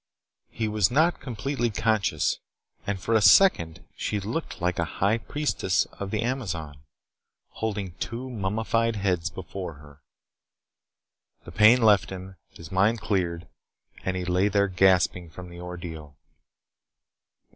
He was not completely conscious and for a second she looked like a high priestess of the Amazon, holding two mummified heads before her The pain left him. His mind cleared and he lay there gasping from the ordeal.